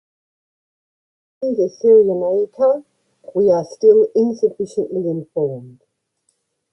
Regarding the Cyrenaica, we are still insufficiently informed.